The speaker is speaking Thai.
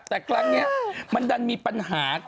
แต่ครั้งนี้มันดันมีปัญหา